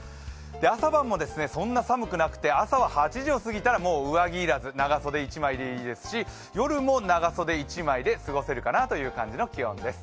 朝晩もそんな寒くなくて朝は８時を過ぎたらもう上着要らず、長袖１枚でいいですし、夜も長袖１枚で過ごせるかなという感じの気温です。